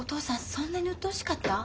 そんなにうっとうしかった？